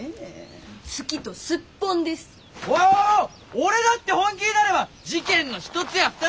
俺だって本気になれば事件の一つや二つ！